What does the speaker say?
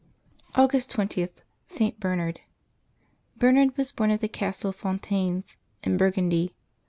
August 20.— ST. BERNARD. ©ERNARD was bom at the castle of Fontaines, in Bur gundy.